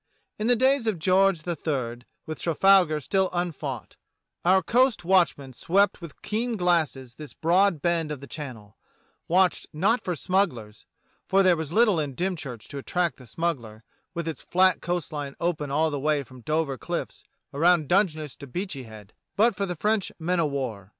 In the days of George III, with Trafalgar still un fought, our coast watchmen swept with keen glasses this broad bend of the Channel; watched not for smugglers (for there was little in Dymchurch to attract the smuggler, with its flat coastline open all the way from Dover cliffs around Dungeness to Beachy Head), but for the French men o' war.